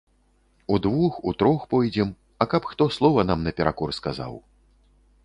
Удвух, утрох пойдзем, а каб хто слова нам наперакор сказаў.